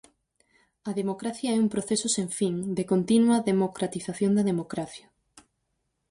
A democracia é un proceso sen fin, de continua democratización da democracia.